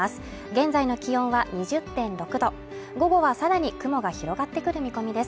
現在の気温は２０．６度午後はさらに雲が広がってくる見込みです。